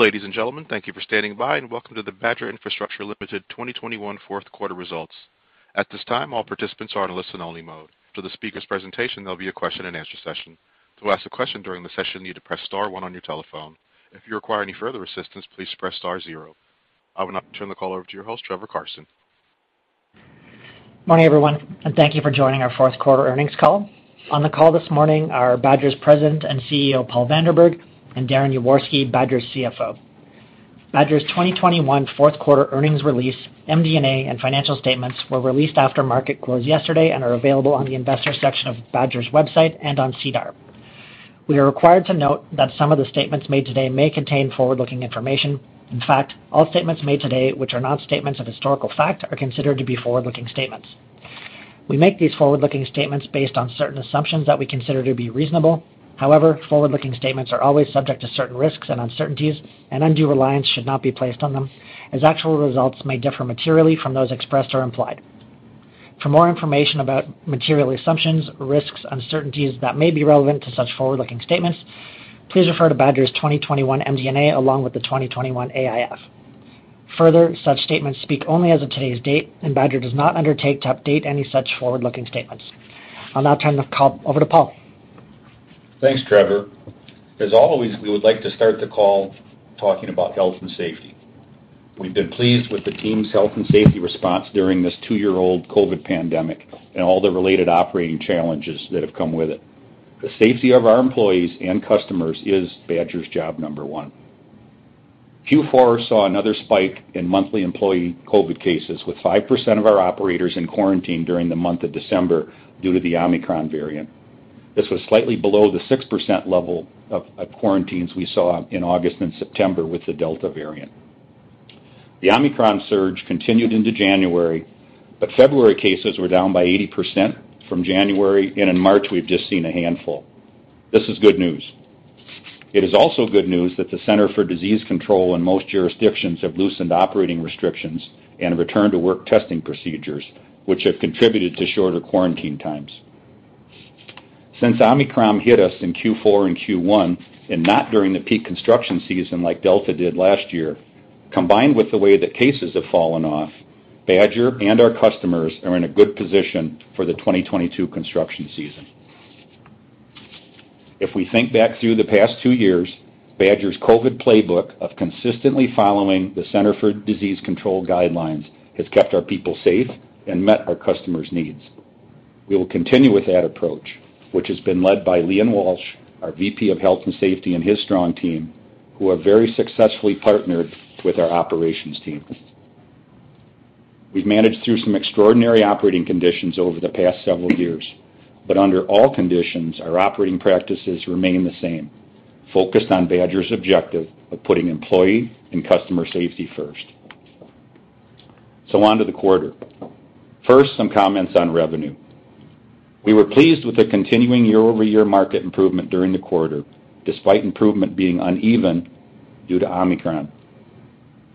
Ladies and gentlemen, thank you for standing by, and welcome to the Badger Infrastructure Solutions Ltd. 2021 fourth quarter results. At this time, all participants are in listen-only mode. Following the speakers' presentation, there'll be a question and answer session. To ask a question during the session, you need to press star one on your telephone. If you require any further assistance, please press star zero. I would now turn the call over to your host, Trevor Carson. Morning, everyone, and thank you for joining our fourth quarter earnings call. On the call this morning are Badger's President and CEO, Paul Vanderberg, and Darren Yaworsky, Badger's CFO. Badger's 2021 fourth quarter earnings release, MD&A, and financial statements were released after market close yesterday and are available on the investor section of Badger's website and on SEDAR. We are required to note that some of the statements made today may contain forward-looking information. In fact, all statements made today, which are not statements of historical fact, are considered to be forward-looking statements. We make these forward-looking statements based on certain assumptions that we consider to be reasonable. However, forward-looking statements are always subject to certain risks and uncertainties, and undue reliance should not be placed on them, as actual results may differ materially from those expressed or implied. For more information about material assumptions, risks, uncertainties that may be relevant to such forward-looking statements, please refer to Badger's 2021 MD&A, along with the 2021 AIF. Further, such statements speak only as of today's date, and Badger does not undertake to update any such forward-looking statements. I'll now turn the call over to Paul. Thanks, Trevor. As always, we would like to start the call talking about health and safety. We've been pleased with the team's health and safety response during this two-year-old COVID pandemic and all the related operating challenges that have come with it. The safety of our employees and customers is Badger's job number one. Q4 saw another spike in monthly employee COVID cases, with 5% of our operators in quarantine during the month of December due to the Omicron variant. This was slightly below the 6% level of quarantines we saw in August and September with the Delta variant. The Omicron surge continued into January, but February cases were down by 80% from January, and in March, we've just seen a handful. This is good news. It is also good news that the Centers for Disease Control and Prevention and most jurisdictions have loosened operating restrictions and return-to-work testing procedures, which have contributed to shorter quarantine times. Since Omicron hit us in Q4 and Q1, and not during the peak construction season like Delta did last year, combined with the way that cases have fallen off, Badger and our customers are in a good position for the 2022 construction season. If we think back through the past two years, Badger's COVID playbook of consistently following the Centers for Disease Control and Prevention guidelines has kept our people safe and met our customers' needs. We will continue with that approach, which has been led by Leon Walsh, our VP of Health and Safety, and his strong team, who have very successfully partnered with our operations team. We've managed through some extraordinary operating conditions over the past several years, but under all conditions, our operating practices remain the same, focused on Badger's objective of putting employee and customer safety first. On to the quarter. First, some comments on revenue. We were pleased with the continuing year-over-year market improvement during the quarter, despite improvement being uneven due to Omicron.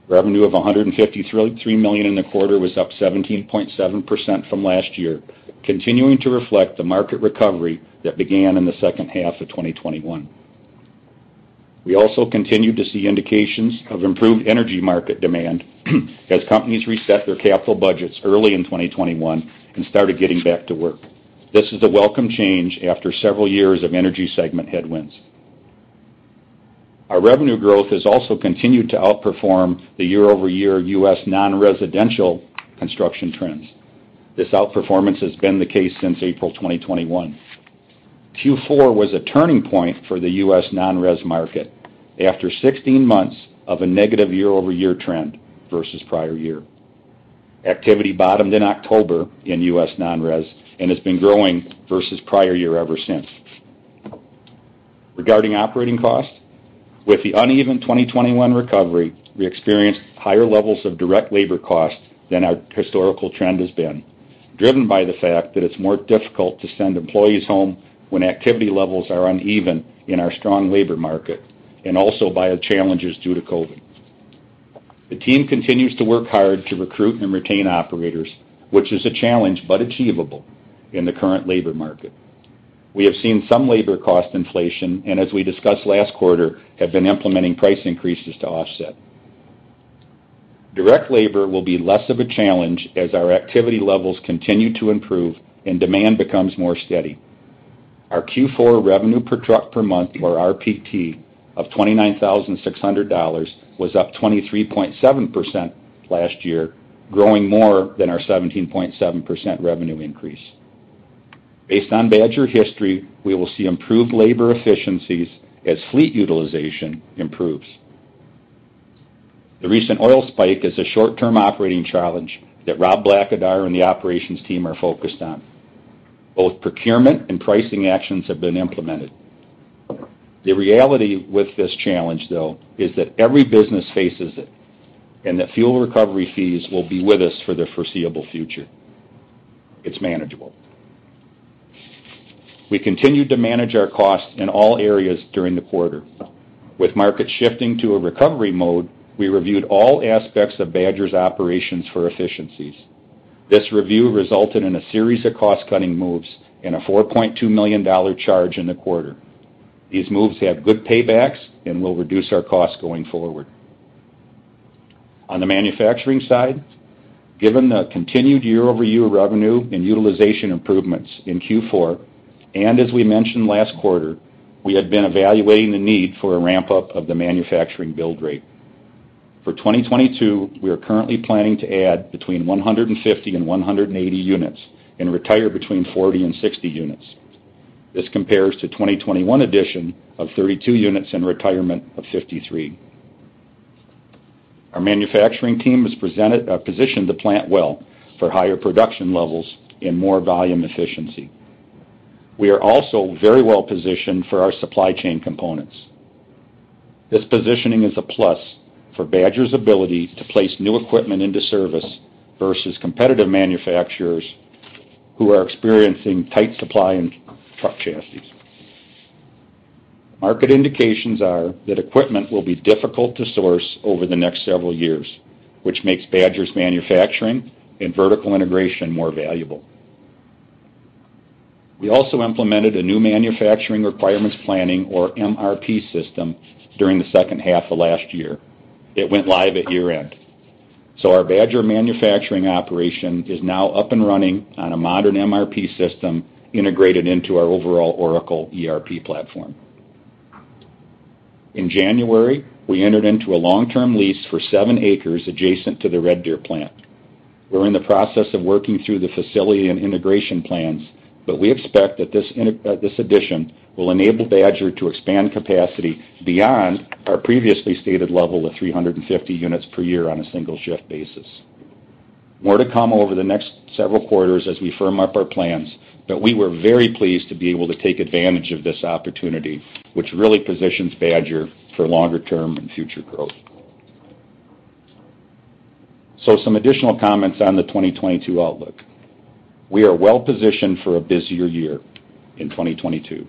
Revenue of 153 million in the quarter was up 17.7% from last year, continuing to reflect the market recovery that began in the second half of 2021. We also continued to see indications of improved energy market demand as companies reset their capital budgets early in 2021 and started getting back to work. This is a welcome change after several years of energy segment headwinds. Our revenue growth has also continued to outperform the year-over-year U.S. non-residential construction trends. This outperformance has been the case since April 2021. Q4 was a turning point for the U.S. non-res market after 16 months of a negative year-over-year trend versus prior year. Activity bottomed in October in U.S. non-res and has been growing versus prior year ever since. Regarding operating costs, with the uneven 2021 recovery, we experienced higher levels of direct labor costs than our historical trend has been, driven by the fact that it's more difficult to send employees home when activity levels are uneven in our strong labor market and also by the challenges due to COVID. The team continues to work hard to recruit and retain operators, which is a challenge, but achievable in the current labor market. We have seen some labor cost inflation, and as we discussed last quarter, have been implementing price increases to offset. Direct labor will be less of a challenge as our activity levels continue to improve and demand becomes more steady. Our Q4 revenue per truck per month, or RPT, of $29,600 was up 23.7% last year, growing more than our 17.7% revenue increase. Based on Badger history, we will see improved labor efficiencies as fleet utilization improves. The recent oil spike is a short-term operating challenge that Rob Blackadar and the operations team are focused on. Both procurement and pricing actions have been implemented. The reality with this challenge, though, is that every business faces it and that fuel recovery fees will be with us for the foreseeable future. It's manageable. We continued to manage our costs in all areas during the quarter. With markets shifting to a recovery mode, we reviewed all aspects of Badger's operations for efficiencies. This review resulted in a series of cost-cutting moves and a 40.2 million dollar charge in the quarter. These moves have good paybacks and will reduce our costs going forward. On the manufacturing side, given the continued year-over-year revenue and utilization improvements in Q4, and as we mentioned last quarter, we had been evaluating the need for a ramp-up of the manufacturing build rate. For 2022, we are currently planning to add between 150 and 180 units and retire between 40 and 60 units. This compares to 2021 addition of 32 units and retirement of 53. Our manufacturing team has positioned the plant well for higher production levels and more volume efficiency. We are also very well positioned for our supply chain components. This positioning is a plus for Badger's ability to place new equipment into service versus competitive manufacturers who are experiencing tight supply in truck chassis. Market indications are that equipment will be difficult to source over the next several years, which makes Badger's manufacturing and vertical integration more valuable. We also implemented a new manufacturing requirements planning or MRP system during the second half of last year. It went live at year-end. Our Badger manufacturing operation is now up and running on a modern MRP system integrated into our overall Oracle ERP platform. In January, we entered into a long-term lease for seven acres adjacent to the Red Deer plant. We're in the process of working through the facility and integration plans, but we expect that this addition will enable Badger to expand capacity beyond our previously stated level of 350 units per year on a single shift basis. More to come over the next several quarters as we firm up our plans, but we were very pleased to be able to take advantage of this opportunity, which really positions Badger for longer-term and future growth. Some additional comments on the 2022 outlook. We are well positioned for a busier year in 2022.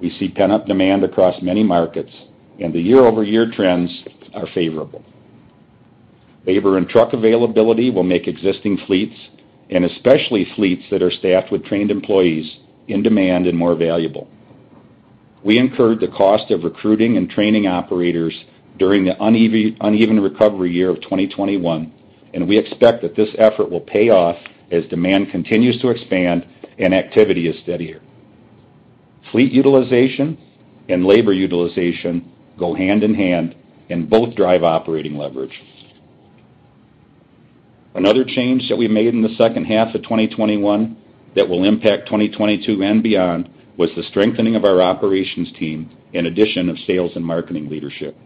We see pent-up demand across many markets, and the year-over-year trends are favorable. Labor and truck availability will make existing fleets, and especially fleets that are staffed with trained employees, in demand and more valuable. We incurred the cost of recruiting and training operators during the uneven recovery year of 2021, and we expect that this effort will pay off as demand continues to expand and activity is steadier. Fleet utilization and labor utilization go hand-in-hand, and both drive operating leverage. Another change that we made in the second half of 2021 that will impact 2022 and beyond was the strengthening of our operations team and addition of sales and marketing leadership.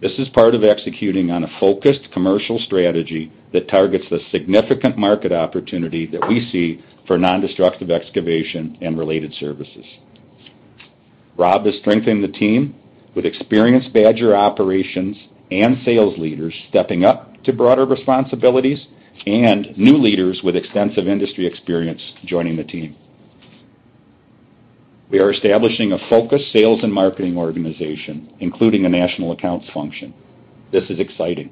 This is part of executing on a focused commercial strategy that targets the significant market opportunity that we see for non-destructive excavation and related services. Rob has strengthened the team with experienced Badger operations and sales leaders stepping up to broader responsibilities and new leaders with extensive industry experience joining the team. We are establishing a focused sales and marketing organization, including a national accounts function. This is exciting.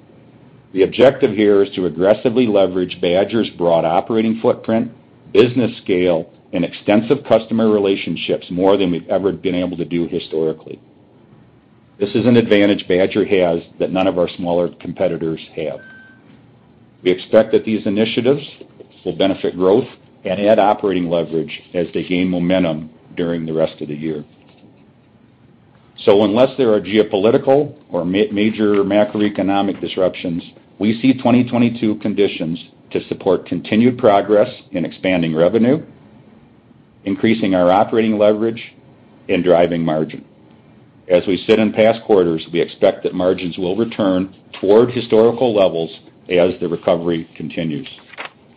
The objective here is to aggressively leverage Badger's broad operating footprint, business scale, and extensive customer relationships more than we've ever been able to do historically. This is an advantage Badger has that none of our smaller competitors have. We expect that these initiatives will benefit growth and add operating leverage as they gain momentum during the rest of the year. Unless there are geopolitical or major macroeconomic disruptions, we see 2022 conditions to support continued progress in expanding revenue, increasing our operating leverage, and driving margin. As we said in past quarters, we expect that margins will return toward historical levels as the recovery continues.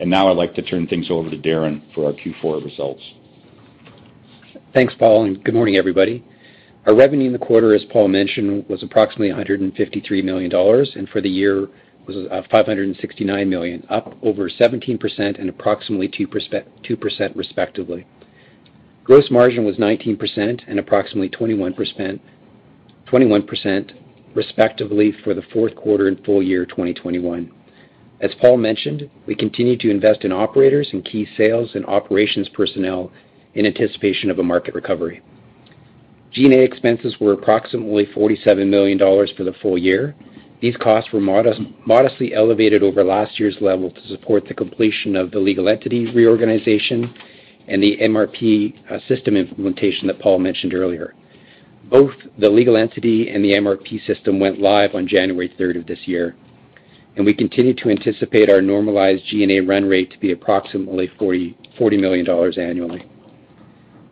Now I'd like to turn things over to Darren for our Q4 results. Thanks, Paul, and good morning, everybody. Our revenue in the quarter, as Paul mentioned, was approximately 153 million dollars, and for the year was 569 million, up over 17% and approximately 2% respectively. Gross margin was 19% and approximately 21% respectively for the fourth quarter and full year 2021. As Paul mentioned, we continue to invest in operators and key sales and operations personnel in anticipation of a market recovery. G&A expenses were approximately 47 million dollars for the full year. These costs were modestly elevated over last year's level to support the completion of the legal entity reorganization and the MRP system implementation that Paul mentioned earlier. Both the legal entity and the MRP system went live on January third of this year, and we continue to anticipate our normalized G&A run rate to be approximately $40 million annually.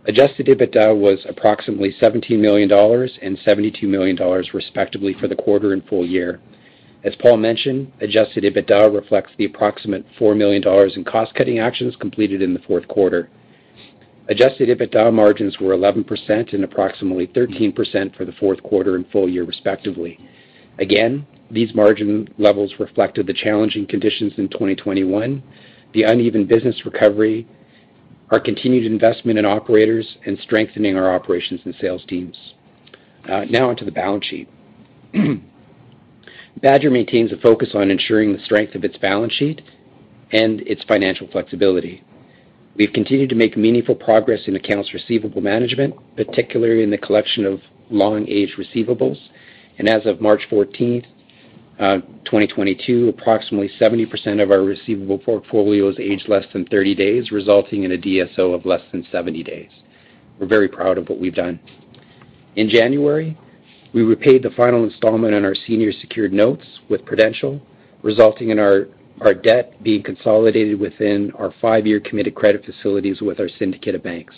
Adjusted EBITDA was approximately $70 million and $72 million respectively for the quarter and full year. As Paul mentioned, adjusted EBITDA reflects the approximate $4 million in cost-cutting actions completed in the fourth quarter. Adjusted EBITDA margins were 11% and approximately 13% for the fourth quarter and full year respectively. Again, these margin levels reflected the challenging conditions in 2021, the uneven business recovery, our continued investment in operators and strengthening our operations and sales teams. Now on to the balance sheet. Badger maintains a focus on ensuring the strength of its balance sheet and its financial flexibility. We've continued to make meaningful progress in accounts receivable management, particularly in the collection of long-aged receivables. As of March 14, 2022, approximately 70% of our receivable portfolio is aged less than 30 days, resulting in a DSO of less than 70 days. We're very proud of what we've done. In January, we repaid the final installment on our senior secured notes with Prudential, resulting in our debt being consolidated within our five-year committed credit facilities with our syndicate of banks.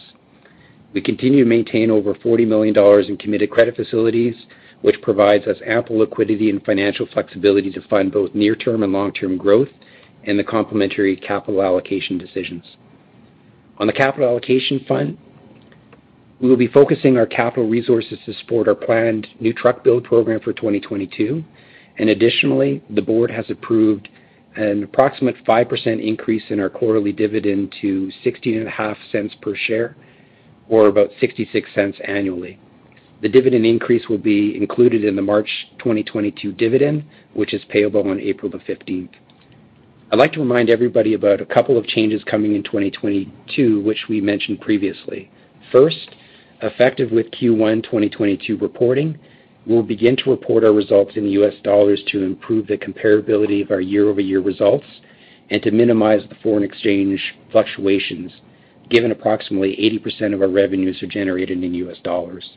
We continue to maintain over $40 million in committed credit facilities, which provides us ample liquidity and financial flexibility to fund both near term and long-term growth and the complementary capital allocation decisions. On the capital allocation front, we will be focusing our capital resources to support our planned new truck build program for 2022. Additionally, the board has approved an approximate 5% increase in our quarterly dividend to 16.5 cents per share or about 66 cents annually. The dividend increase will be included in the March 2022 dividend, which is payable on April 15. I'd like to remind everybody about a couple of changes coming in 2022, which we mentioned previously. First, effective with Q1 2022 reporting, we'll begin to report our results in US dollars to improve the comparability of our year-over-year results and to minimize the foreign exchange fluctuations, given approximately 80% of our revenues are generated in US dollars.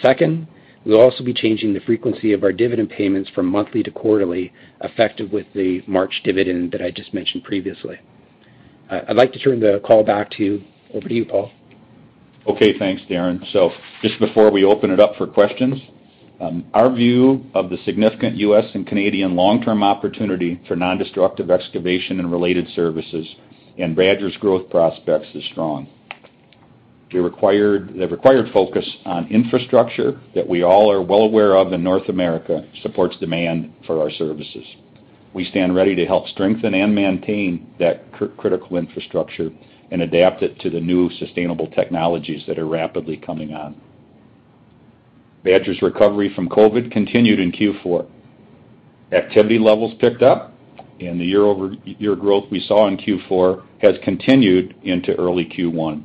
Second, we'll also be changing the frequency of our dividend payments from monthly to quarterly, effective with the March dividend that I just mentioned previously. I'd like to turn the call back to you. Over to you, Paul. Okay, thanks, Darren. Just before we open it up for questions, our view of the significant U.S. and Canadian long-term opportunity for non-destructive excavation and related services and Badger's growth prospects is strong. The required focus on infrastructure that we all are well aware of in North America supports demand for our services. We stand ready to help strengthen and maintain that critical infrastructure and adapt it to the new sustainable technologies that are rapidly coming on. Badger's recovery from COVID continued in Q4. Activity levels picked up, and the year-over-year growth we saw in Q4 has continued into early Q1.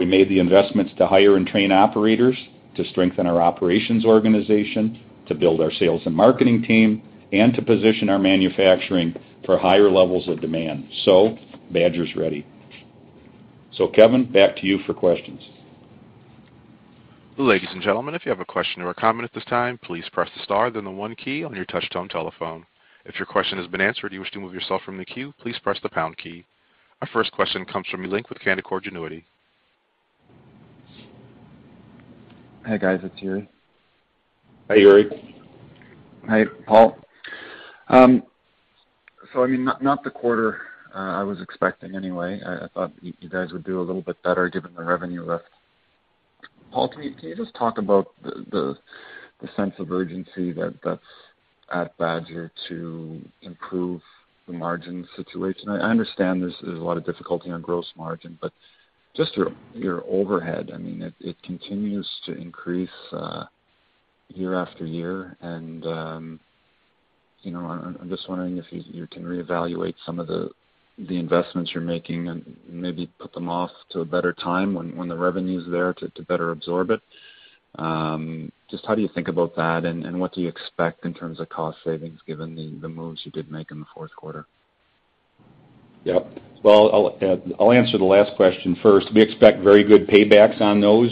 We made the investments to hire and train operators, to strengthen our operations organization, to build our sales and marketing team, and to position our manufacturing for higher levels of demand. Badger's ready. Kevin, back to you for questions. Ladies and gentlemen, if you have a question or comment at this time, please star, then one key on your touchtone telephone. If your question has been answered, please remove yourself from the que, please press the pound key. Our first question comes from Yuri Lynk with Canaccord Genuity. Hi, guys. It's Yuri. Hi, Yuri. Hi, Paul. So I mean, not the quarter I was expecting anyway. I thought you guys would do a little bit better given the revenue lift. Paul, can you just talk about the sense of urgency that's at Badger to improve the margin situation? I understand there's a lot of difficulty on gross margin, but just your overhead, I mean, it continues to increase year after year. You know, I'm just wondering if you can reevaluate some of the investments you're making and maybe put them off to a better time when the revenue's there to better absorb it. Just how do you think about that, and what do you expect in terms of cost savings given the moves you did make in the fourth quarter? Yep. Well, I'll answer the last question first. We expect very good paybacks on those.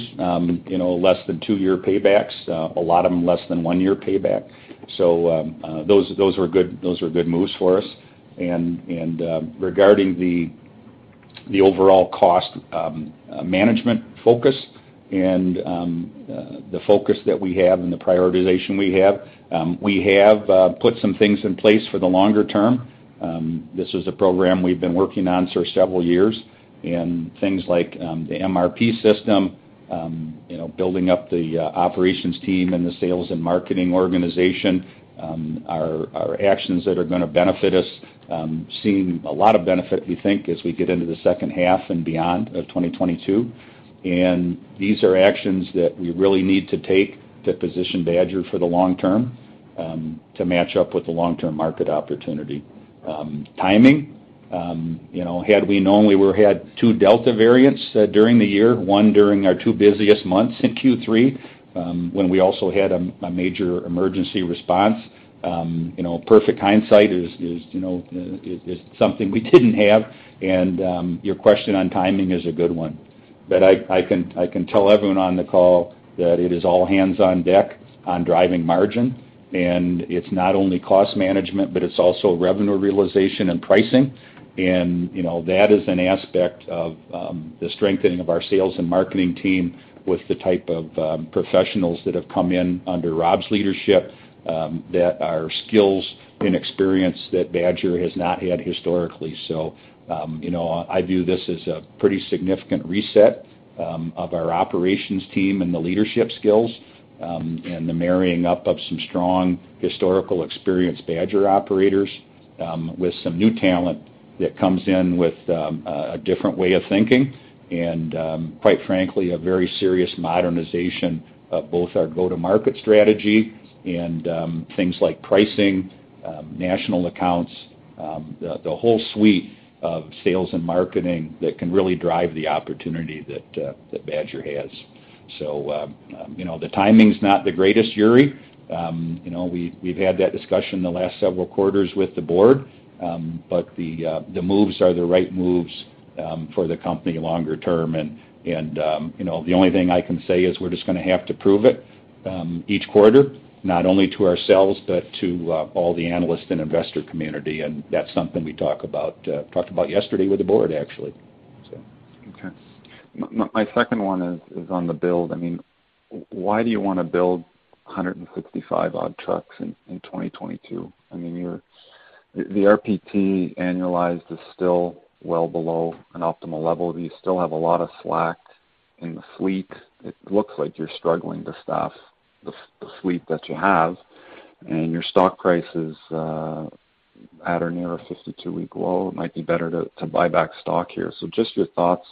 You know, less than two-year paybacks, a lot of them less than one-year payback. Those were good moves for us. Regarding the overall cost management focus and the focus that we have and the prioritization we have, we have put some things in place for the longer term. This is a program we've been working on for several years. Things like the MRP system, you know, building up the operations team and the sales and marketing organization are actions that are gonna benefit us, seeing a lot of benefit, we think, as we get into the second half and beyond of 2022. These are actions that we really need to take to position Badger for the long term, to match up with the long-term market opportunity. Timing, you know, had we known we had two Delta variants during the year, one during our two busiest months in Q3, when we also had a major emergency response, you know, perfect hindsight is something we didn't have. Your question on timing is a good one. I can tell everyone on the call that it is all hands on deck on driving margin. It's not only cost management, but it's also revenue realization and pricing. You know, that is an aspect of the strengthening of our sales and marketing team with the type of professionals that have come in under Rob's leadership that are skills and experience that Badger has not had historically. You know, I view this as a pretty significant reset of our operations team and the leadership skills, and the marrying up of some strong historical experienced Badger operators with some new talent that comes in with a different way of thinking and, quite frankly, a very serious modernization of both our go-to-market strategy and things like pricing, national accounts, the whole suite of sales and marketing that can really drive the opportunity that Badger has. You know, the timing's not the greatest, Yuri. You know, we've had that discussion the last several quarters with the board. The moves are the right moves for the company longer term. You know, the only thing I can say is we're just gonna have to prove it each quarter, not only to ourselves, but to all the analysts and investor community, and that's something we talked about yesterday with the board actually. Okay. My second one is on the build. I mean, why do you want to build 165 odd trucks in 2022? I mean, your the RPT annualized is still well below an optimal level. Do you still have a lot of slack in the fleet? It looks like you're struggling to staff the fleet that you have, and your stock price is at or near a 52-week low. It might be better to buy back stock here. Just your thoughts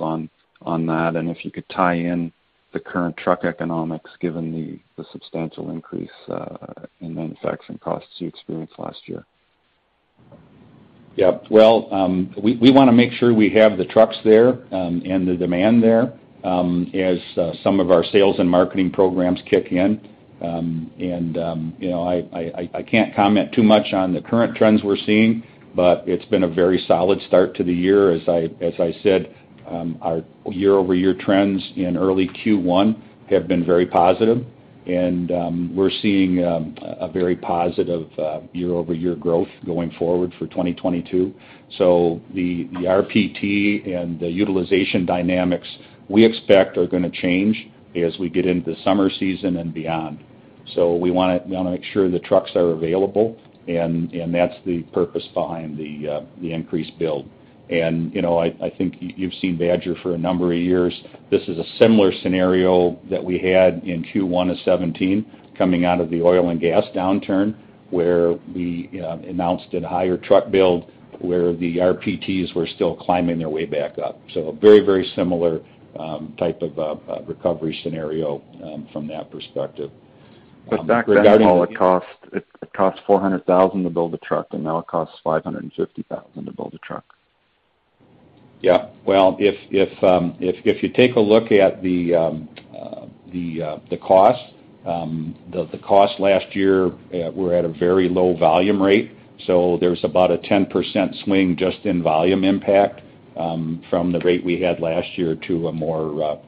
on that, and if you could tie in the current truck economics given the substantial increase in manufacturing costs you experienced last year. Yeah. Well, we wanna make sure we have the trucks there, and the demand there, as some of our sales and marketing programs kick in. You know, I can't comment too much on the current trends we're seeing, but it's been a very solid start to the year. As I said, our year-over-year trends in early Q1 have been very positive, and we're seeing a very positive year-over-year growth going forward for 2022. The RPT and the utilization dynamics we expect are gonna change as we get into the summer season and beyond. We wanna make sure the trucks are available and that's the purpose behind the increased build. You know, I think you've seen Badger for a number of years. This is a similar scenario that we had in Q1 of 2017 coming out of the oil and gas downturn, where we announced a higher truck build where the RPTs were still climbing their way back up. Very, very similar type of recovery scenario from that perspective. Regarding back then, Paul, it cost 400,000 to build a truck, and now it costs 550,000 to build a truck. Yeah. Well, if you take a look at the cost last year, we're at a very low volume rate. There's about a 10% swing just in volume impact from the rate we had last year to a more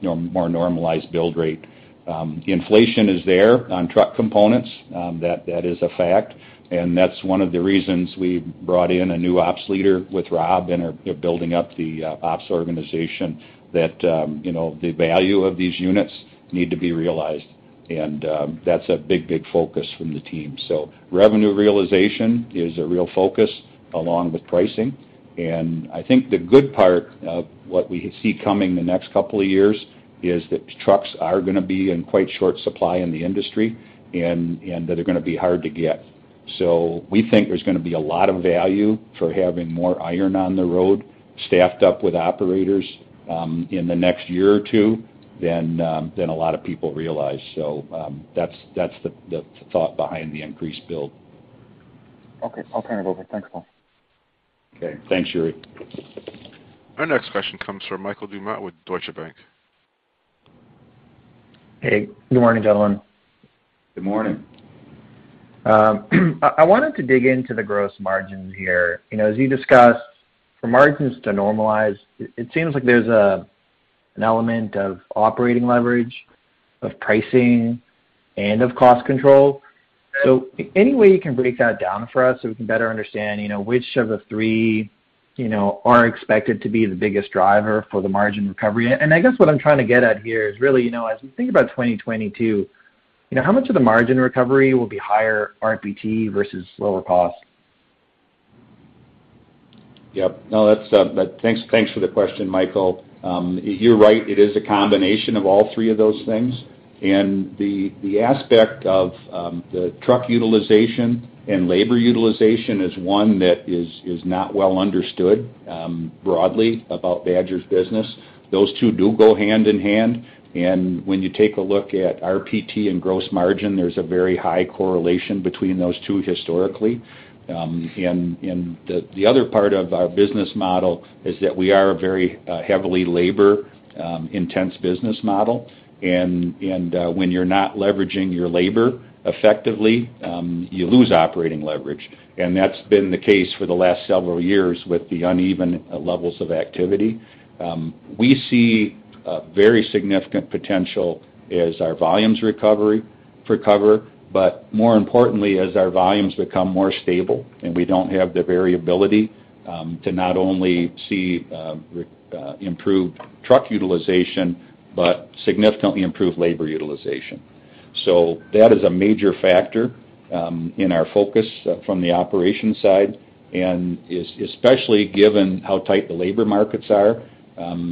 normalized build rate. Inflation is there on truck components, that is a fact, and that's one of the reasons we brought in a new ops leader with Rob and are building up the ops organization that, you know, the value of these units need to be realized. That's a big focus from the team. Revenue realization is a real focus along with pricing. I think the good part of what we see coming the next couple of years is that trucks are gonna be in quite short supply in the industry and that they're gonna be hard to get. We think there's gonna be a lot of value for having more iron on the road staffed up with operators, in the next year or two than a lot of people realize. That's the thought behind the increased build. Okay. I'll turn it over. Thanks, Paul. Okay. Thanks, Yuri. Our next question comes from Michael Doumet with Scotiabank. Hey, good morning, gentlemen. Good morning. I wanted to dig into the gross margins here. You know, as you discussed, for margins to normalize, it seems like there's an element of operating leverage, of pricing, and of cost control. Any way you can break that down for us so we can better understand, you know, which of the three, you know, are expected to be the biggest driver for the margin recovery? I guess what I'm trying to get at here is really, you know, as we think about 2022, you know, how much of the margin recovery will be higher RPT versus lower cost? Yeah. No, but thanks for the question, Michael. You're right. It is a combination of all three of those things. The aspect of the truck utilization and labor utilization is one that is not well understood broadly about Badger's business. Those two do go hand in hand. When you take a look at RPT and gross margin, there's a very high correlation between those two historically. The other part of our business model is that we are a very heavily labor-intensive business model. When you're not leveraging your labor effectively, you lose operating leverage. That's been the case for the last several years with the uneven levels of activity. We see a very significant potential as our volumes recover, but more importantly, as our volumes become more stable and we don't have the variability to not only see improved truck utilization, but significantly improved labor utilization. That is a major factor in our focus from the operations side, and especially given how tight the labor markets are.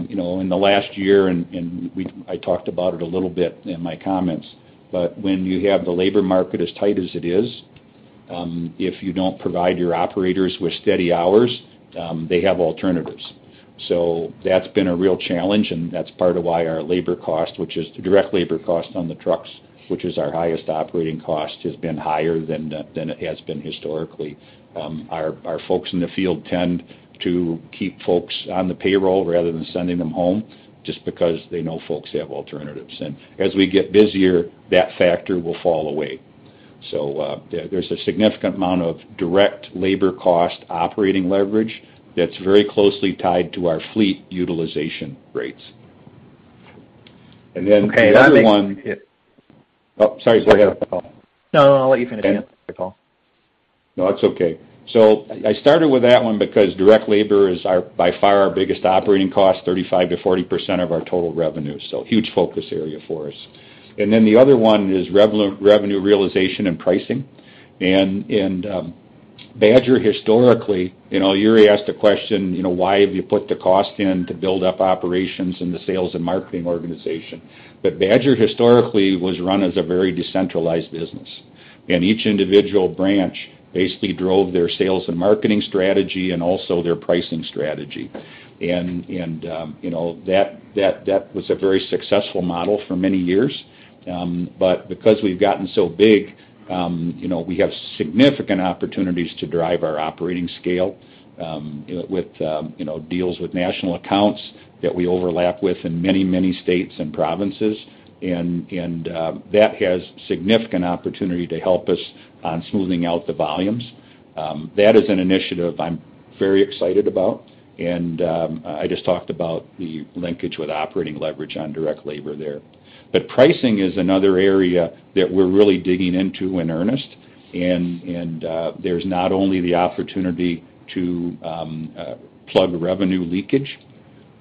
You know, in the last year and I talked about it a little bit in my comments, but when you have the labor market as tight as it is, if you don't provide your operators with steady hours, they have alternatives. That's been a real challenge, and that's part of why our labor cost, which is the direct labor cost on the trucks, which is our highest operating cost, has been higher than it has been historically. Our folks in the field tend to keep folks on the payroll rather than sending them home just because they know folks have alternatives. As we get busier, that factor will fall away. There's a significant amount of direct labor cost operating leverage that's very closely tied to our fleet utilization rates. Then the other one. Okay. That makes it. Oh, sorry. Go ahead. No, no, I'll let you finish. It's a call. No, it's okay. I started with that one because direct labor is by far our biggest operating cost, 35%-40% of our total revenue, so huge focus area for us. Then the other one is revenue realization and pricing. Badger historically, you know, Yuri asked a question, you know, "Why have you put the cost in to build up operations in the sales and marketing organization?" Badger historically was run as a very decentralized business, and each individual branch basically drove their sales and marketing strategy and also their pricing strategy. You know, that was a very successful model for many years. Because we've gotten so big, you know, we have significant opportunities to drive our operating scale, with, you know, deals with national accounts that we overlap with in many, many states and provinces. That has significant opportunity to help us on smoothing out the volumes. That is an initiative I'm very excited about, and I just talked about the linkage with operating leverage on direct labor there. Pricing is another area that we're really digging into in earnest, and there's not only the opportunity to plug revenue leakage,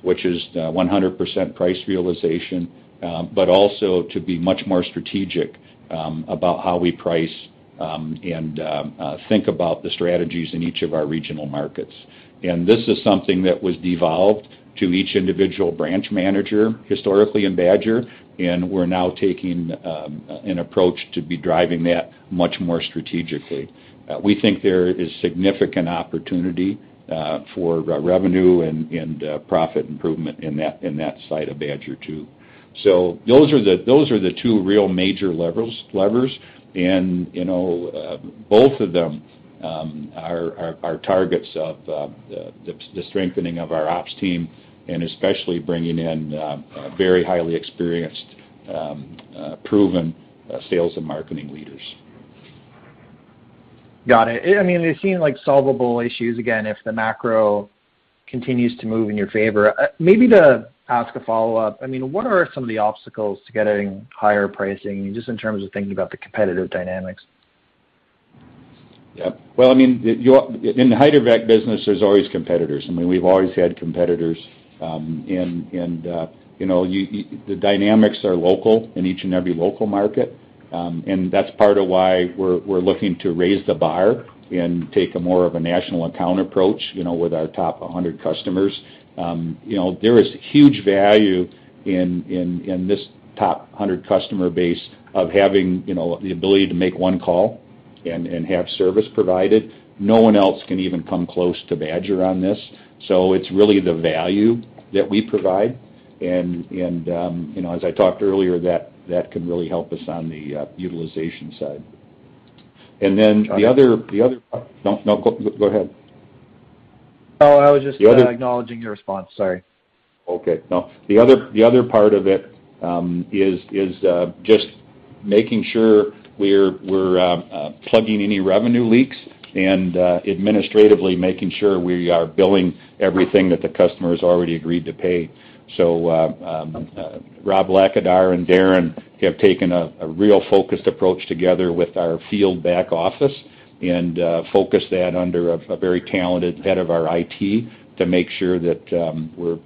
which is 100% price realization, but also to be much more strategic about how we price and think about the strategies in each of our regional markets. This is something that was devolved to each individual branch manager historically in Badger, and we're now taking an approach to be driving that much more strategically. We think there is significant opportunity for revenue and profit improvement in that side of Badger too. Those are the two real major levers. You know, both of them are targets of the strengthening of our ops team and especially bringing in very highly experienced proven sales and marketing leaders. Got it. I mean, they seem like solvable issues, again, if the macro continues to move in your favor. Maybe to ask a follow-up, I mean, what are some of the obstacles to getting higher pricing, just in terms of thinking about the competitive dynamics? Yeah. Well, I mean, in the hydrovac business, there's always competitors. I mean, we've always had competitors. The dynamics are local in each and every local market, and that's part of why we're looking to raise the bar and take a more of a national account approach, you know, with our top 100 customers. There is huge value in this top 100 customer base of having the ability to make one call and have service provided. No one else can even come close to Badger on this. So it's really the value that we provide. As I talked earlier, that can really help us on the utilization side. No, go ahead. Oh, I was just- The other- Acknowledging your response. Sorry. The other part of it is just making sure we're plugging any revenue leaks and administratively making sure we are billing everything that the customer's already agreed to pay. Rob Blackadar and Darren have taken a real focused approach together with our field back office and focused that under a very talented head of our IT to make sure that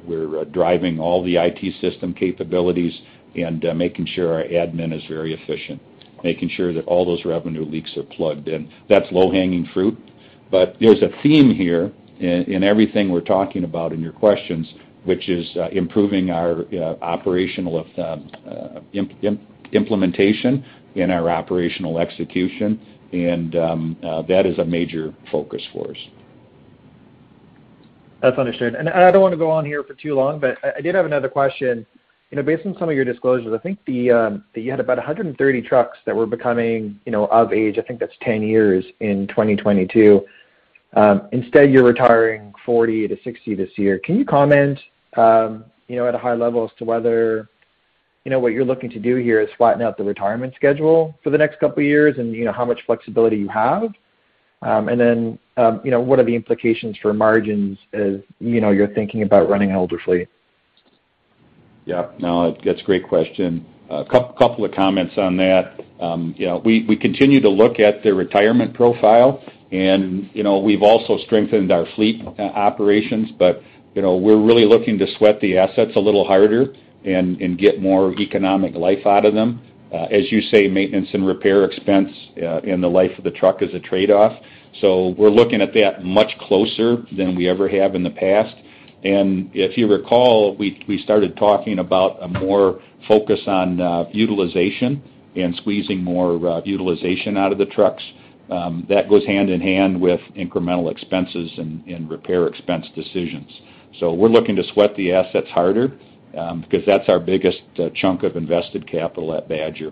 we're driving all the IT system capabilities and making sure our admin is very efficient, making sure that all those revenue leaks are plugged in. That's low-hanging fruit. There's a theme here in everything we're talking about in your questions, which is improving our operational implementation and our operational execution. That is a major focus for us. That's understood. I don't want to go on here for too long, but I did have another question. You know, based on some of your disclosures, I think you had about 130 trucks that were becoming, you know, of age, I think that's 10 years, in 2022. Instead, you're retiring 40-60 this year. Can you comment, you know, at a high level as to whether, you know, what you're looking to do here is flatten out the retirement schedule for the next couple of years and, you know, how much flexibility you have? And then, you know, what are the implications for margins as, you know, you're thinking about running an older fleet? Yeah. No, that's a great question. A couple of comments on that. You know, we continue to look at the retirement profile and, you know, we've also strengthened our fleet operations. You know, we're really looking to sweat the assets a little harder and get more economic life out of them. As you say, maintenance and repair expense in the life of the truck is a trade-off. We're looking at that much closer than we ever have in the past. If you recall, we started talking about a more focus on utilization and squeezing more utilization out of the trucks. That goes hand in hand with incremental expenses and repair expense decisions. We're looking to sweat the assets harder because that's our biggest chunk of invested capital at Badger.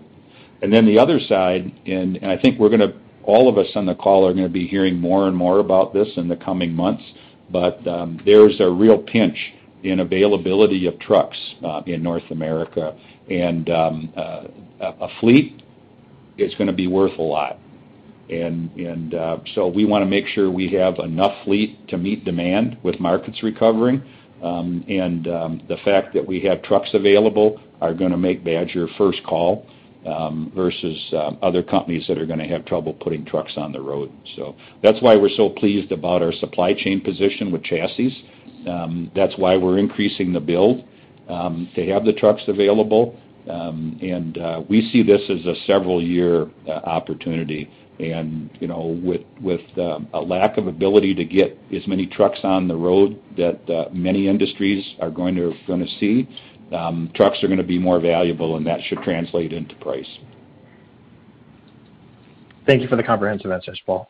The other side, I think all of us on the call are gonna be hearing more and more about this in the coming months, but there's a real pinch in availability of trucks in North America. A fleet is gonna be worth a lot. We wanna make sure we have enough fleet to meet demand with markets recovering. The fact that we have trucks available are gonna make Badger first call, versus other companies that are gonna have trouble putting trucks on the road. That's why we're so pleased about our supply chain position with chassis. That's why we're increasing the build to have the trucks available. We see this as a several year opportunity. You know, with a lack of ability to get as many trucks on the road that many industries are gonna see, trucks are gonna be more valuable, and that should translate into price. Thank you for the comprehensive answers, Paul.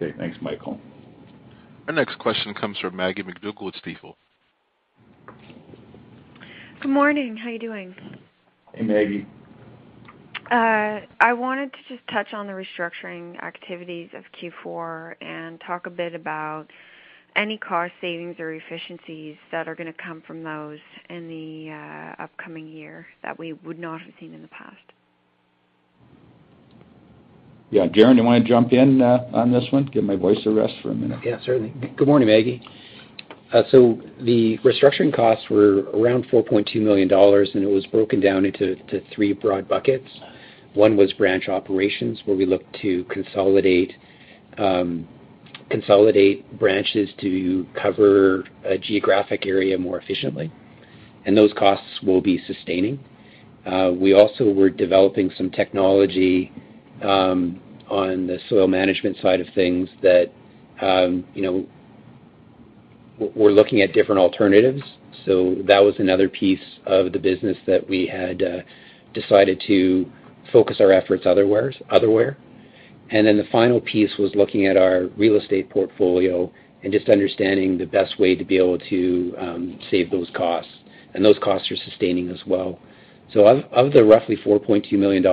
Okay. Thanks, Michael. Our next question comes from Maggie MacDougall with Stifel. Good morning. How are you doing? Hey, Maggie. I wanted to just touch on the restructuring activities of Q4 and talk a bit about any cost savings or efficiencies that are gonna come from those in the upcoming year that we would not have seen in the past. Yeah. Darren, do you wanna jump in on this one? Give my voice a rest for a minute. Yeah, certainly. Good morning, Maggie. The restructuring costs were around $4.2 million, and it was broken down into three broad buckets. One was branch operations, where we look to consolidate branches to cover a geographic area more efficiently, and those costs will be sustaining. We also were developing some technology on the soil management side of things that you know, we're looking at different alternatives. That was another piece of the business that we had decided to focus our efforts elsewhere. The final piece was looking at our real estate portfolio and just understanding the best way to be able to save those costs, and those costs are sustaining as well. Of the roughly $4.2 million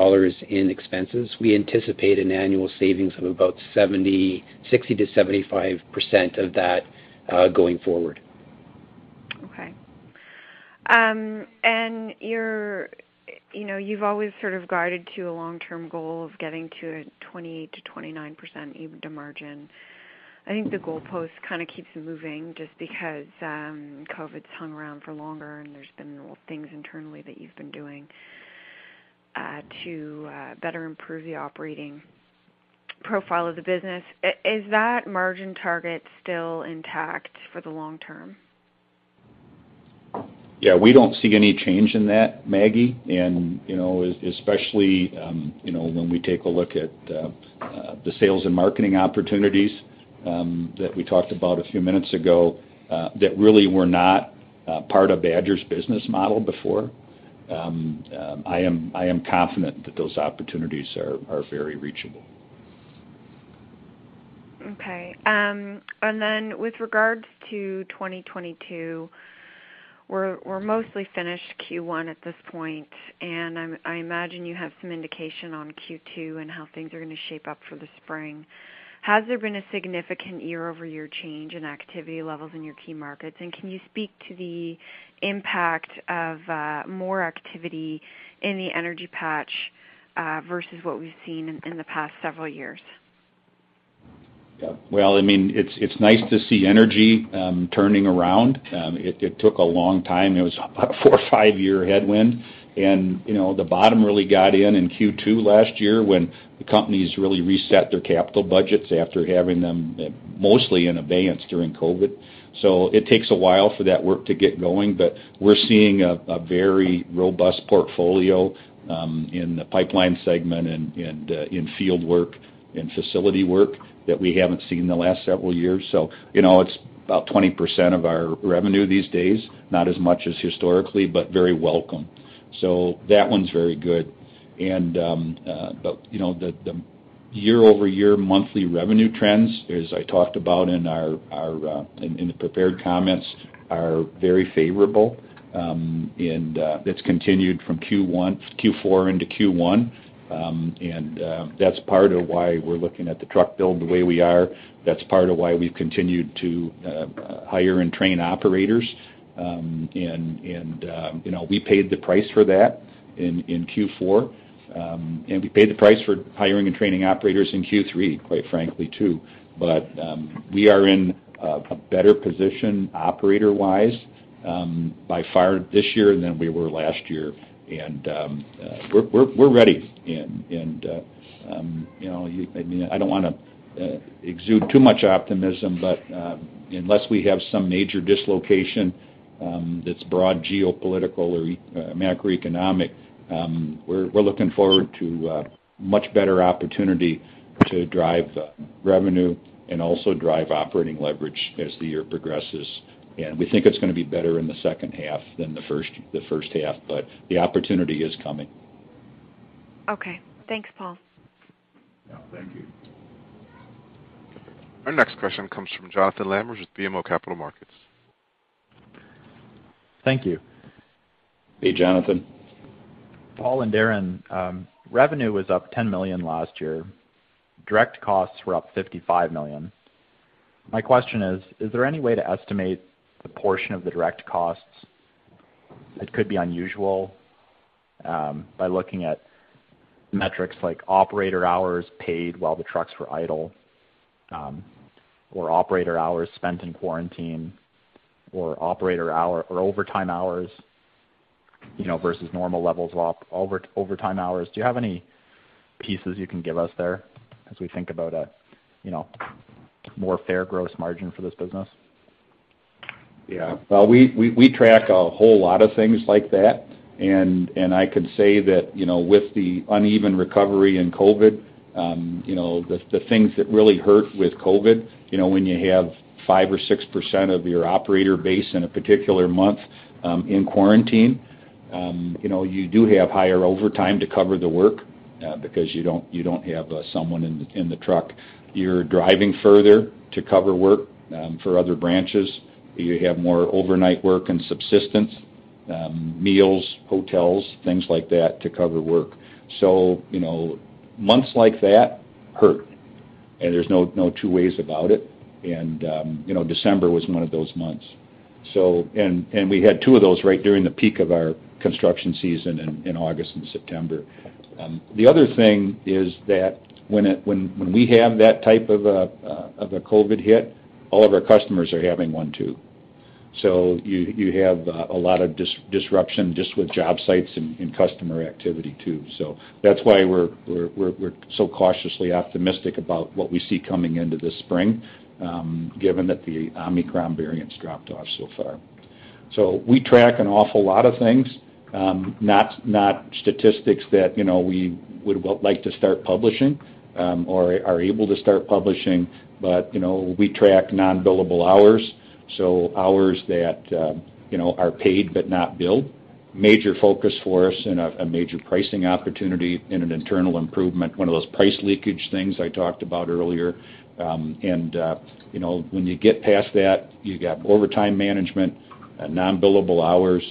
in expenses, we anticipate an annual savings of about 60%-75% of that, going forward. Okay. You know, you've always sort of guided to a long-term goal of getting to 20%-29% EBITDA margin. I think the goalpost kind of keeps moving just because COVID's hung around for longer, and there's been little things internally that you've been doing to better improve the operating profile of the business. Is that margin target still intact for the long term? Yeah. We don't see any change in that, Maggie. You know, especially when we take a look at the sales and marketing opportunities that we talked about a few minutes ago, that really were not part of Badger's business model before, I am confident that those opportunities are very reachable. Okay. With regards to 2022, we're mostly finished Q1 at this point, and I imagine you have some indication on Q2 and how things are gonna shape up for the spring. Has there been a significant year-over-year change in activity levels in your key markets? Can you speak to the impact of more activity in the energy patch versus what we've seen in the past several years? Yeah. Well, I mean, it's nice to see energy turning around. It took a long time. It was about a four or five-year headwind. You know, the bottom really got in in Q2 last year when the companies really reset their capital budgets after having them mostly in abeyance during COVID. It takes a while for that work to get going. We're seeing a very robust portfolio in the pipeline segment and in field work and facility work that we haven't seen in the last several years. You know, it's about 20% of our revenue these days, not as much as historically, but very welcome. That one's very good. You know, the year-over-year monthly revenue trends, as I talked about in our prepared comments, are very favorable. That's continued from Q4 into Q1. That's part of why we're looking at the truck build the way we are. That's part of why we've continued to hire and train operators. You know, we paid the price for that in Q4. We paid the price for hiring and training operators in Q3, quite frankly, too. We are in a better position operator-wise by far this year than we were last year. We're ready. You know, I mean, I don't wanna exude too much optimism, but unless we have some major dislocation that's broad geopolitical or macroeconomic, we're looking forward to a much better opportunity to drive revenue and also drive operating leverage as the year progresses. We think it's gonna be better in the second half than the first half, but the opportunity is coming. Okay. Thanks, Paul. Yeah, thank you. Our next question comes from Jonathan Lamers with BMO Capital Markets. Thank you. Hey, Jonathan. Paul and Darren, revenue was up 10 million last year. Direct costs were up 55 million. My question is there any way to estimate the portion of the direct costs that could be unusual, by looking at metrics like operator hours paid while the trucks were idle, or operator hours spent in quarantine, or overtime hours, you know, versus normal levels of overtime hours? Do you have any pieces you can give us there as we think about a, you know, more fair gross margin for this business? Yeah. Well, we track a whole lot of things like that, and I can say that, you know, with the uneven recovery in COVID, you know, the things that really hurt with COVID, you know, when you have 5% or 6% of your operator base in a particular month in quarantine, you know, you do have higher overtime to cover the work, because you don't have someone in the truck. You're driving further to cover work for other branches. You have more overnight work and subsistence meals, hotels, things like that to cover work. So, you know, months like that hurt, and there's no two ways about it. You know, December was one of those months. We had two of those right during the peak of our construction season in August and September. The other thing is that when we have that type of a COVID hit, all of our customers are having one too. You have a lot of disruption just with job sites and customer activity too. That's why we're so cautiously optimistic about what we see coming into this spring, given that the Omicron variant's dropped off so far. We track an awful lot of things, not statistics that, you know, we would like to start publishing or are able to start publishing. You know, we track non-billable hours, so hours that, you know, are paid but not billed. Major focus for us and a major pricing opportunity in an internal improvement, one of those price leakage things I talked about earlier. You know, when you get past that, you got overtime management, non-billable hours.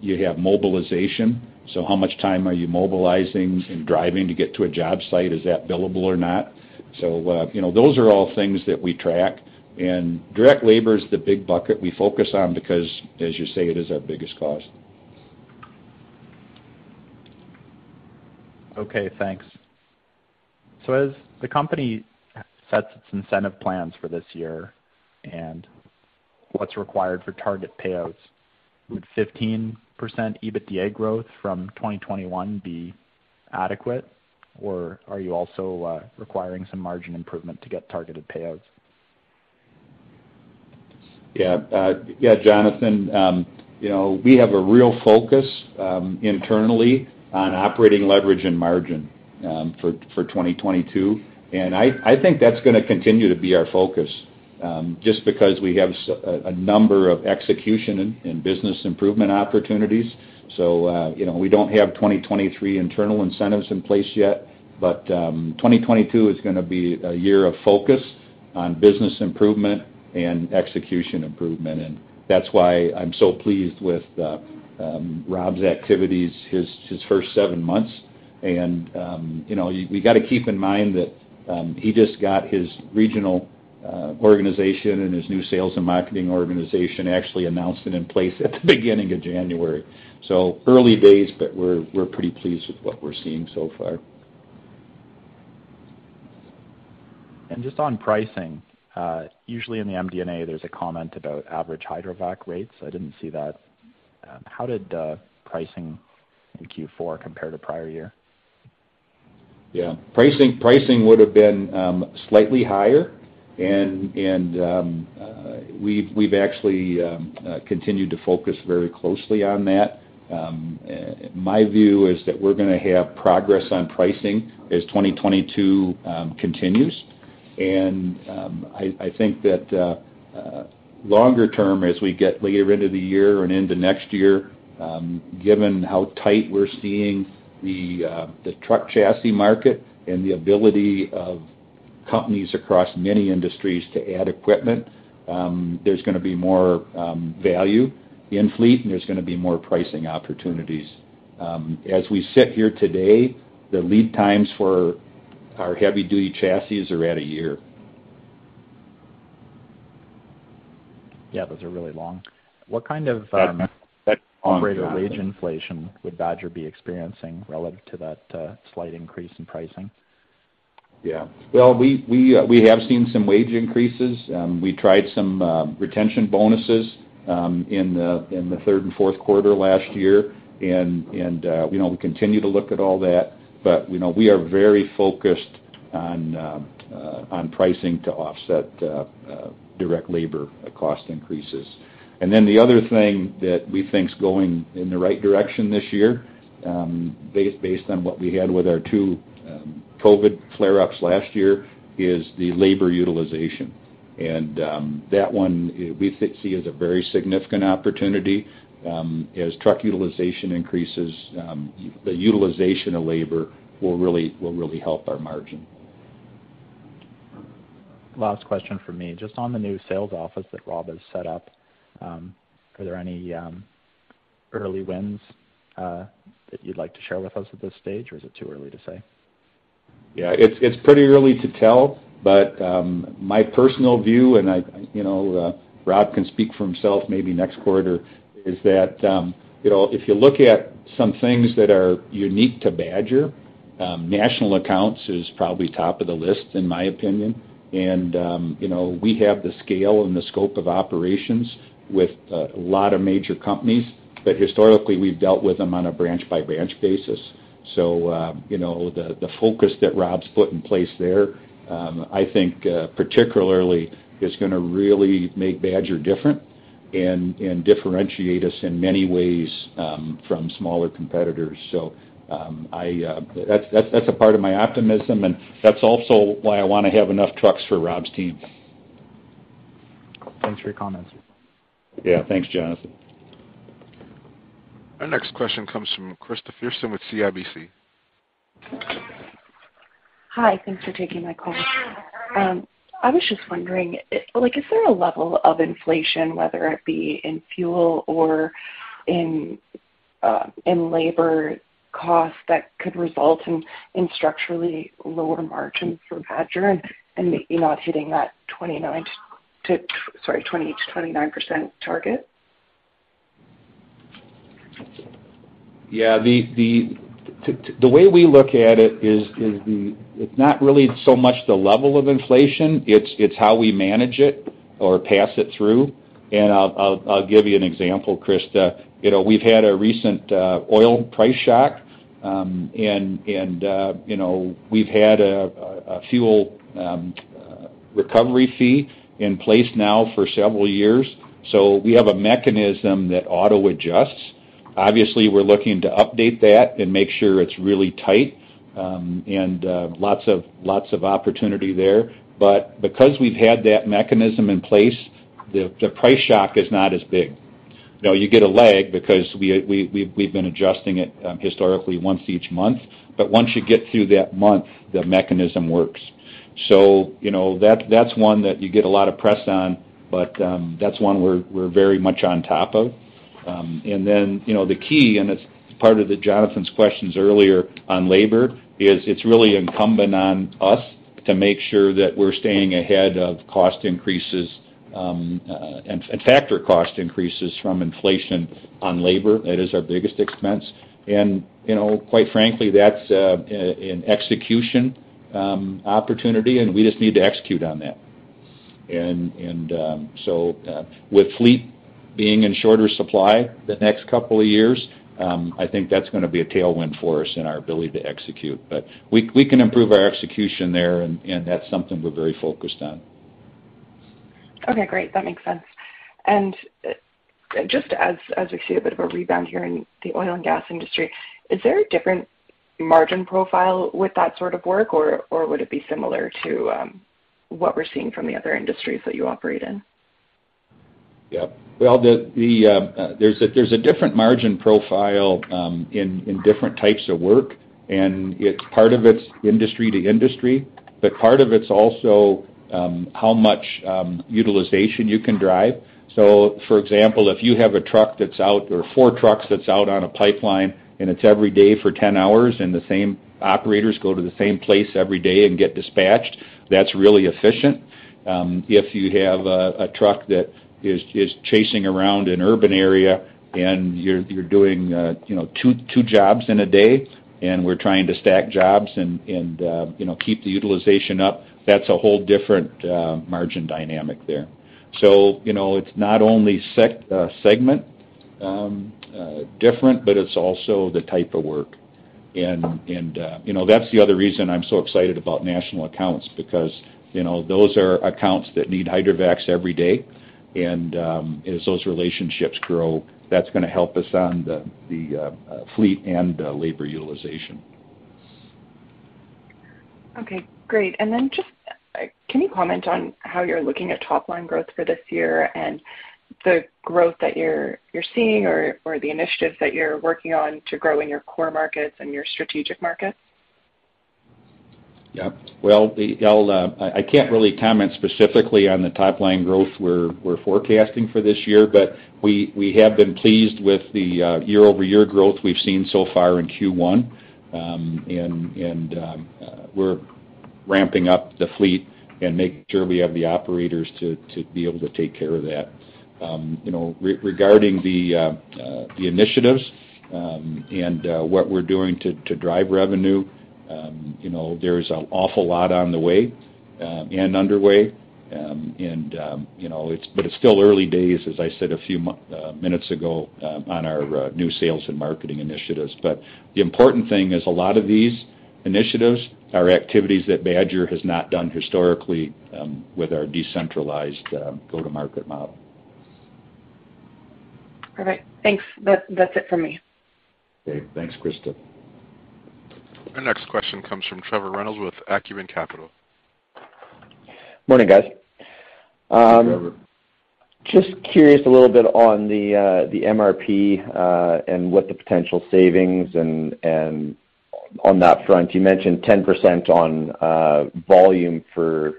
You have mobilization, so how much time are you mobilizing and driving to get to a job site? Is that billable or not? You know, those are all things that we track. Direct labor is the big bucket we focus on because, as you say, it is our biggest cost. Okay, thanks. As the company sets its incentive plans for this year and what's required for target payouts, would 15% EBITDA growth from 2021 be adequate, or are you also requiring some margin improvement to get targeted payouts? Yeah. Yeah, Jonathan. You know, we have a real focus internally on operating leverage and margin for 2022, and I think that's gonna continue to be our focus just because we have a number of execution and business improvement opportunities. You know, we don't have 2023 internal incentives in place yet, but 2022 is gonna be a year of focus on business improvement and execution improvement. That's why I'm so pleased with Rob's activities his first 7 months. You know, we gotta keep in mind that he just got his regional organization and his new sales and marketing organization actually announced and in place at the beginning of January. Early days, but we're pretty pleased with what we're seeing so far. Just on pricing, usually in the MD&A, there's a comment about average hydrovac rates. I didn't see that. How did pricing in Q4 compare to prior year? Yeah. Pricing would have been slightly higher and we've actually continued to focus very closely on that. My view is that we're gonna have progress on pricing as 2022 continues. I think that longer term, as we get later into the year and into next year, given how tight we're seeing the truck chassis market and the ability of companies across many industries to add equipment, there's gonna be more value in fleet, and there's gonna be more pricing opportunities. As we sit here today, the lead times for our heavy-duty chassis are at a year. Yeah, those are really long. What kind of That's long, Jonathan. What operator wage inflation would Badger be experiencing relative to that slight increase in pricing? Yeah. Well, we have seen some wage increases. We tried some retention bonuses in the third and fourth quarter last year, and you know, we continue to look at all that. You know, we are very focused on pricing to offset direct labor cost increases. Then the other thing that we think's going in the right direction this year, based on what we had with our two COVID flare-ups last year, is the labor utilization. That one, we see as a very significant opportunity. As truck utilization increases, the utilization of labor will really help our margin. Last question for me, just on the new sales office that Rob has set up, are there any early wins that you'd like to share with us at this stage, or is it too early to say? Yeah. It's pretty early to tell, but my personal view and I you know Rob can speak for himself maybe next quarter is that you know if you look at some things that are unique to Badger national accounts is probably top of the list in my opinion. We have the scale and the scope of operations with a lot of major companies but historically we've dealt with them on a branch-by-branch basis. You know the focus that Rob's put in place there I think particularly is gonna really make Badger different and differentiate us in many ways from smaller competitors. That's a part of my optimism and that's also why I wanna have enough trucks for Rob's team. Thanks for your comments. Yeah. Thanks, Jonathan. Our next question comes from Krista Friesen with CIBC. Hi. Thanks for taking my call. I was just wondering, like, is there a level of inflation, whether it be in fuel or in labor costs that could result in structurally lower margins for Badger and maybe not hitting that 20%-29% target? Yeah. The way we look at it is, it's not really so much the level of inflation, it's how we manage it or pass it through. I'll give you an example, Krista. You know, we've had a recent oil price shock, and you know, we've had a fuel recovery fee in place now for several years. We have a mechanism that auto adjusts. Obviously, we're looking to update that and make sure it's really tight, and lots of opportunity there. Because we've had that mechanism in place, the price shock is not as big. You know, you get a lag because we've been adjusting it historically once each month, but once you get through that month, the mechanism works. You know, that's one that you get a lot of press on, but that's one we're very much on top of. Then, you know, the key, and it's part of Jonathan's questions earlier on labor, is it's really incumbent on us to make sure that we're staying ahead of cost increases and factor in cost increases from inflation on labor. That is our biggest expense. You know, quite frankly, that's an execution opportunity, and we just need to execute on that. With fleet being in shorter supply the next couple of years, I think that's gonna be a tailwind for us in our ability to execute. But we can improve our execution there, and that's something we're very focused on. Okay, great. That makes sense. Just as we see a bit of a rebound here in the oil and gas industry, is there a different margin profile with that sort of work, or would it be similar to what we're seeing from the other industries that you operate in? Yeah. Well, there's a different margin profile in different types of work, and it's part of it's industry to industry, but part of it's also how much utilization you can drive. For example, if you have a truck that's out, or four trucks that's out on a pipeline, and it's every day for 10 hours, and the same operators go to the same place every day and get dispatched, that's really efficient. If you have a truck that is chasing around an urban area and you're doing you know two jobs in a day, and we're trying to stack jobs and you know keep the utilization up, that's a whole different margin dynamic there. You know, it's not only segment different, but it's also the type of work. You know, that's the other reason I'm so excited about national accounts because you know, those are accounts that need hydrovacs every day. As those relationships grow, that's gonna help us on the fleet and labor utilization. Okay, great. Just, can you comment on how you're looking at top line growth for this year and the growth that you're seeing or the initiatives that you're working on to grow in your core markets and your strategic markets? Well, I can't really comment specifically on the top line growth we're forecasting for this year, but we have been pleased with the year-over-year growth we've seen so far in Q1. We're ramping up the fleet and making sure we have the operators to be able to take care of that. You know, regarding the initiatives and what we're doing to drive revenue, you know, there's an awful lot on the way and underway. You know, but it's still early days, as I said a few minutes ago, on our new sales and marketing initiatives. The important thing is a lot of these initiatives are activities that Badger has not done historically, with our decentralized, go-to-market model. Perfect. Thanks. That's it for me. Okay, thanks, Krista. Our next question comes from Trevor Reynolds with Acumen Capital. Morning, guys. Hey, Trevor. Just curious a little bit on the MRP and what the potential savings and on that front. You mentioned 10% on volume for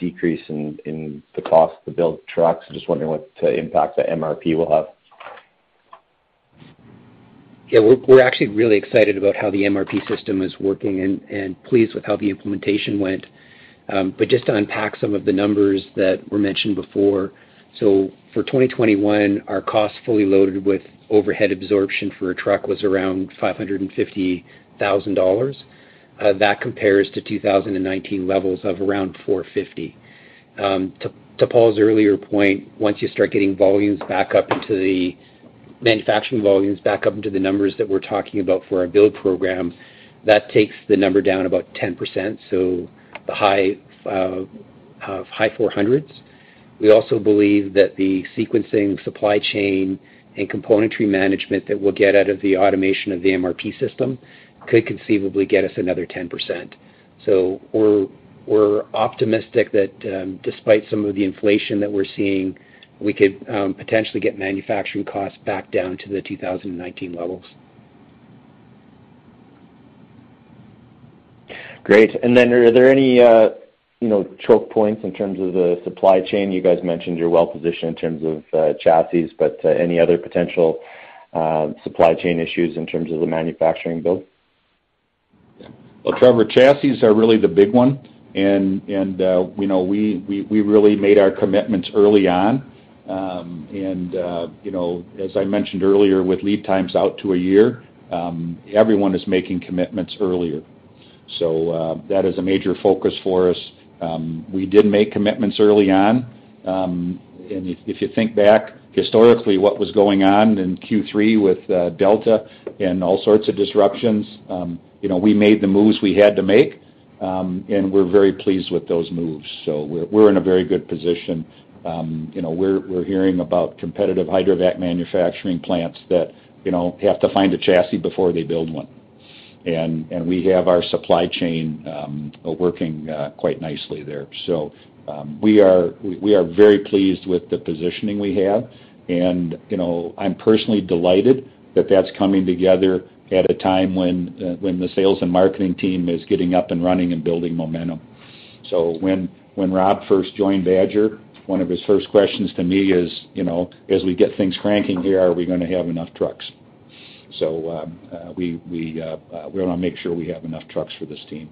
decrease in the cost to build trucks. Just wondering what the impact the MRP will have. Yeah. We're actually really excited about how the MRP system is working and pleased with how the implementation went. Just to unpack some of the numbers that were mentioned before. For 2021, our cost fully loaded with overhead absorption for a truck was around 550,000 dollars. That compares to 2019 levels of around 450,000. To Paul's earlier point, once you start getting manufacturing volumes back up into the numbers that we're talking about for our build program, that takes the number down about 10%, so the high 400s. We also believe that the sequencing, supply chain, and componentry management that we'll get out of the automation of the MRP system could conceivably get us another 10%. We're optimistic that, despite some of the inflation that we're seeing, we could potentially get manufacturing costs back down to the 2019 levels. Great. Then are there any, you know, choke points in terms of the supply chain? You guys mentioned you're well positioned in terms of chassis, but any other potential supply chain issues in terms of the manufacturing build? Well, Trevor, chassis are really the big one. You know, we really made our commitments early on. You know, as I mentioned earlier, with lead times out to a year, everyone is making commitments earlier. That is a major focus for us. We did make commitments early on. If you think back historically what was going on in Q3 with Delta and all sorts of disruptions, you know, we made the moves we had to make, and we're very pleased with those moves. We're in a very good position. You know, we're hearing about competitive hydrovac manufacturing plants that you know, have to find a chassis before they build one. We have our supply chain working quite nicely there. We are very pleased with the positioning we have, and, you know, I'm personally delighted that that's coming together at a time when the sales and marketing team is getting up and running and building momentum. When Rob first joined Badger, one of his first questions to me is, you know, as we get things cranking here, are we gonna have enough trucks? We wanna make sure we have enough trucks for this team.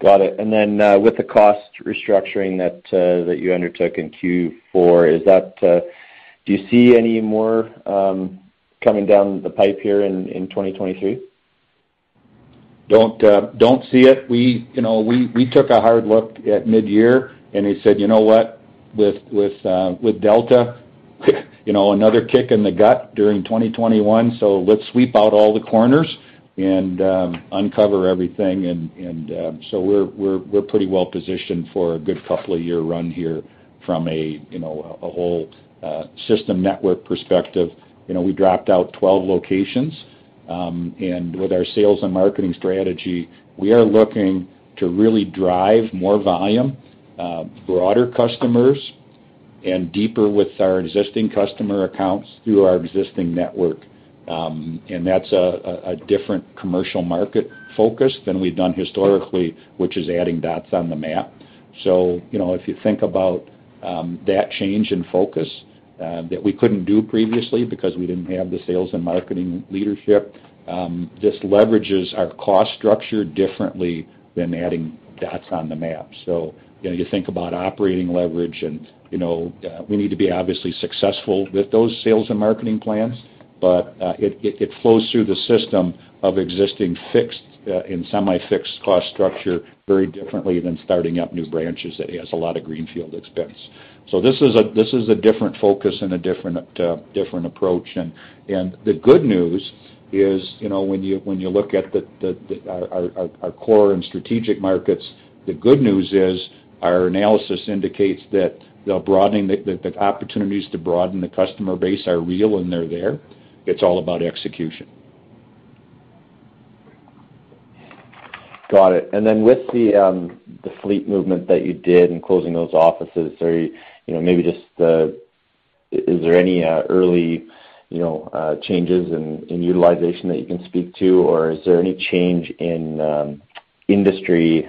Got it. With the cost restructuring that you undertook in Q4, do you see any more coming down the pipe here in 2023? Don't see it. We, you know, took a hard look at midyear, and we said, "You know what? With Delta, you know, another kick in the gut during 2021, so let's sweep out all the corners and uncover everything." We're pretty well positioned for a good couple of year run here from a, you know, a whole system network perspective. You know, we dropped out 12 locations, and with our sales and marketing strategy, we are looking to really drive more volume, broader customers, and deeper with our existing customer accounts through our existing network. That's a different commercial market focus than we've done historically, which is adding dots on the map. You know, if you think about that change in focus that we couldn't do previously because we didn't have the sales and marketing leadership, this leverages our cost structure differently than adding dots on the map. You know, you think about operating leverage and you know we need to be obviously successful with those sales and marketing plans, but it flows through the system of existing fixed and semi-fixed cost structure very differently than starting up new branches that has a lot of greenfield expense. This is a different focus and a different approach. The good news is, you know, when you look at our core and strategic markets, the good news is our analysis indicates that the opportunities to broaden the customer base are real, and they're there. It's all about execution. Got it. With the fleet movement that you did in closing those offices, you know, maybe just, is there any early, you know, changes in utilization that you can speak to? Or is there any change in industry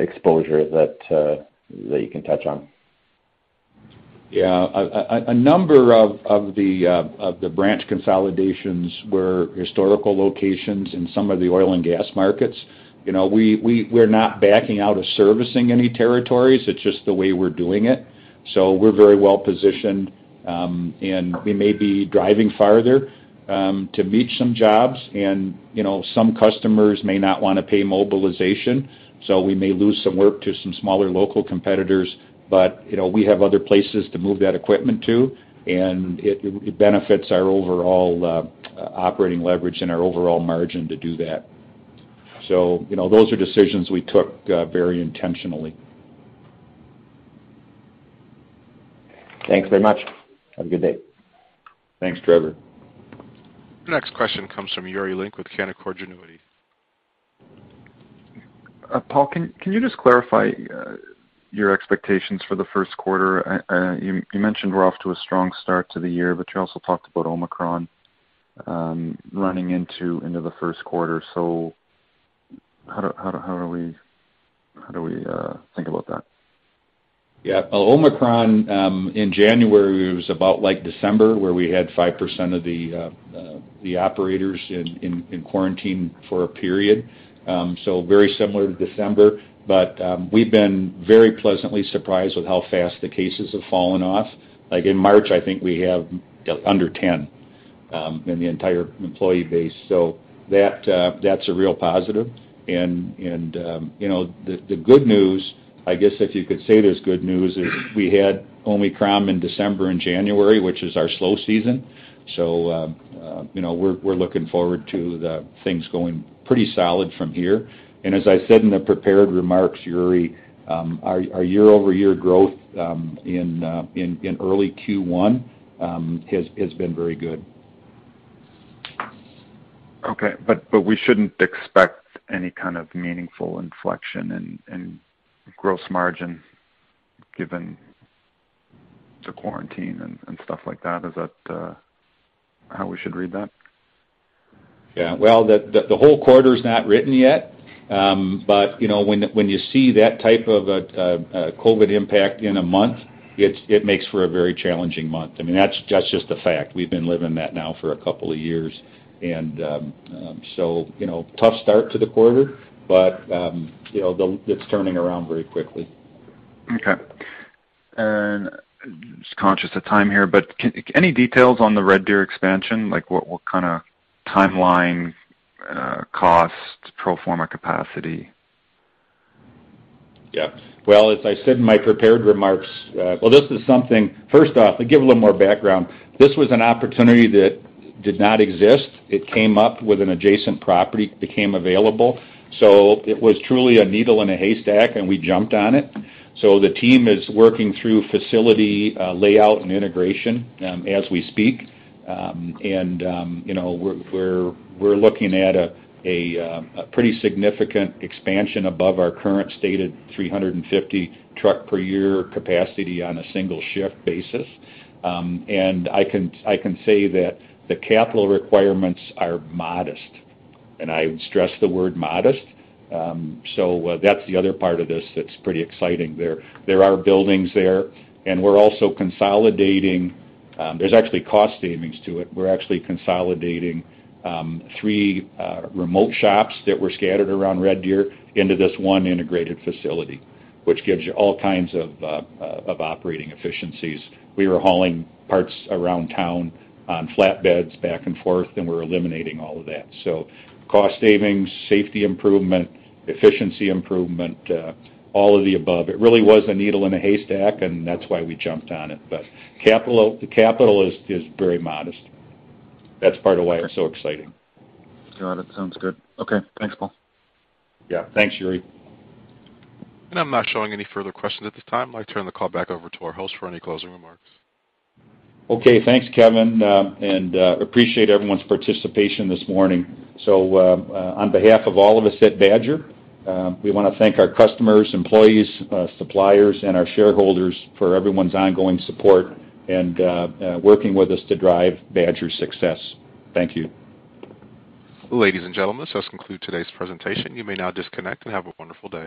exposure that you can touch on? Yeah. A number of the branch consolidations were historical locations in some of the oil and gas markets. You know, we're not backing out of servicing any territories. It's just the way we're doing it. We're very well positioned, and we may be driving farther to meet some jobs. You know, some customers may not wanna pay mobilization, so we may lose some work to some smaller local competitors, but you know, we have other places to move that equipment to, and it benefits our overall operating leverage and our overall margin to do that. You know, those are decisions we took very intentionally. Thanks very much. Have a good day. Thanks, Trevor. Next question comes from Yuri Lynk with Canaccord Genuity. Paul, can you just clarify your expectations for the first quarter? You mentioned we're off to a strong start to the year, but you also talked about Omicron running into the first quarter. How do we think about that? Yeah. Omicron in January was about like December, where we had 5% of the operators in quarantine for a period. Very similar to December. We've been very pleasantly surprised with how fast the cases have fallen off. Like in March, I think we have under 10 in the entire employee base. That's a real positive. You know, the good news, I guess, if you could say there's good news is we had Omicron in December and January, which is our slow season. You know, we're looking forward to the things going pretty solid from here. As I said in the prepared remarks, Yuri, our year-over-year growth in early Q1 has been very good. Okay. We shouldn't expect any kind of meaningful inflection in gross margin given the quarantine and stuff like that. Is that how we should read that? Yeah. Well, the whole quarter's not written yet. You know, when you see that type of a COVID impact in a month, it makes for a very challenging month. I mean, that's just a fact. We've been living that now for a couple of years. You know, tough start to the quarter, but you know, it's turning around very quickly. Okay. Just conscious of time here, but any details on the Red Deer expansion, like what kind of timeline, cost, pro forma capacity? Yeah. Well, as I said in my prepared remarks, first off, to give a little more background, this was an opportunity that did not exist. It came up with an adjacent property, became available, so it was truly a needle in a haystack, and we jumped on it. The team is working through facility layout and integration as we speak. You know, we're looking at a pretty significant expansion above our current stated 350 truck per year capacity on a single shift basis. I can say that the capital requirements are modest, and I would stress the word modest. That's the other part of this that's pretty exciting. There are buildings there, and we're also consolidating. There's actually cost savings to it. We're actually consolidating three remote shops that were scattered around Red Deer into this one integrated facility, which gives you all kinds of operating efficiencies. We were hauling parts around town on flatbeds back and forth, and we're eliminating all of that. Cost savings, safety improvement, efficiency improvement, all of the above. It really was a needle in a haystack, and that's why we jumped on it. Capital, the capital is very modest. That's part of why it's so exciting. Got it. Sounds good. Okay, thanks, Paul. Yeah. Thanks, Yuri. I'm not showing any further questions at this time. I turn the call back over to our host for any closing remarks. Okay. Thanks, Kevin. We appreciate everyone's participation this morning. On behalf of all of us at Badger, we wanna thank our customers, employees, suppliers, and our shareholders for everyone's ongoing support and working with us to drive Badger's success. Thank you. Ladies and gentlemen, this does conclude today's presentation. You may now disconnect and have a wonderful day.